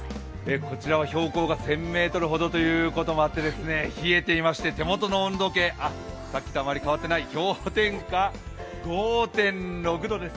こちらは標高が１０００ｍほどということもあって、冷えていまして手元の温度計、さっきとあまり変わっていない、氷点下５．６度です。